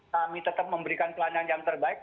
kami tetap memberikan pelayanan yang terbaik